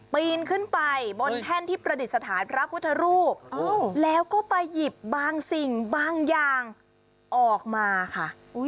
ปีนขึ้นไปบนแท่นที่ประดิษฐานพระพุทธรูปแล้วก็ไปหยิบบางสิ่งบางอย่างออกมาค่ะ